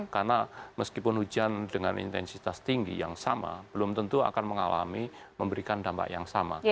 karena meskipun hujan dengan intensitas tinggi yang sama belum tentu akan mengalami memberikan dampak yang sama